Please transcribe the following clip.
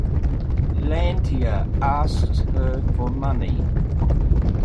Lantier asks her for money.